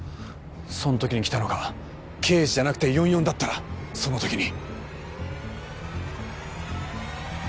その時に来たのが刑事じゃなくて４４だったらその時に。